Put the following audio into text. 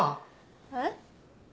えっ？